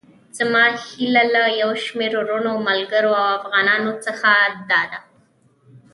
زما هيله له يو شمېر وروڼو، ملګرو او افغانانو څخه داده.